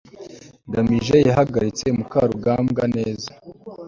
ngamije yahagaritse mukarugambwa neza